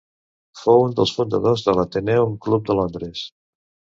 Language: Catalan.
Fou un dels fundadors de l'Athenaeum Club de Londres.